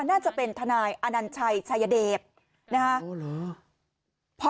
น่าจะเป็นทนายอนันไชย์ชายเดพนะครับ